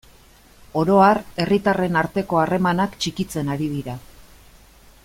Oro har, herritarren arteko harremanak txikitzen ari dira.